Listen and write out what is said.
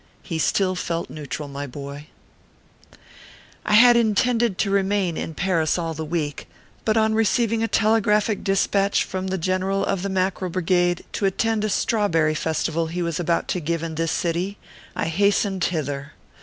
He still felt neutral, my boy I had intended to remain in Paris all the week ; but on receiving a telegraphic dispatch from the Gen eral of the Mackerel Brigade to attend a Strawberry Festival he was about to give in this city, I hastened hither.